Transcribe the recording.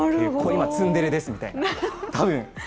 今、ツンデレです、みたいな、たぶん。